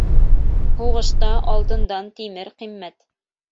Һуғышта алтындан тимер ҡиммәт.